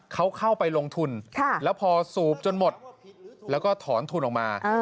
เขาเข้าไปลงทุนแล้วพอสูบจนหมดแล้วก็ถอนทุนออกมา